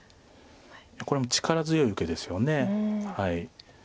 これも力強い受けですよね。